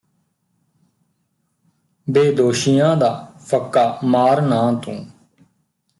ਬੇਦੋਸ਼ੀਆਂ ਦਾ ਫ਼ੱਕਾ ਮਾਰ ਨਾ ਤੂੰ